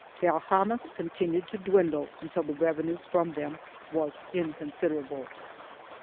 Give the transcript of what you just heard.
The aljamas con tinued to dwindle until the revenue from them was inconsid erable.